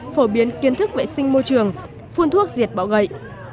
phổ biến kiến thức vệ sinh môi trường phun thuốc diệt bọ gậy